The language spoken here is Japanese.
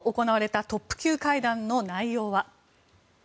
その後、行われたトップ級会談の内容は。